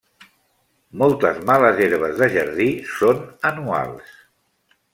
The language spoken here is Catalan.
Moltes males herbes de jardí són anuals.